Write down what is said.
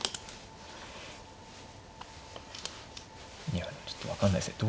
いやちょっと分かんないですね。